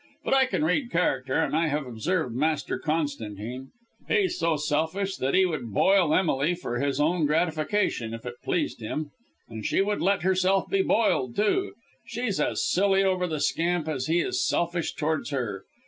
But I can read character, and I have observed Master Constantine. He's so selfish that he would boil Emily for his own gratification, if it pleased him. And she would let herself be boiled, too; she's as silly over the scamp as he is selfish towards her.